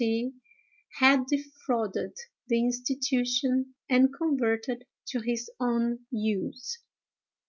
—— had defrauded the institution and converted to his own use.